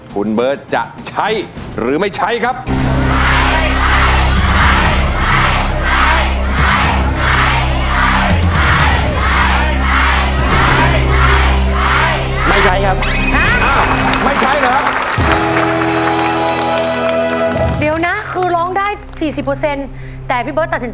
คุณเบิร์ตจะใช้หรือไม่ใช้ครับ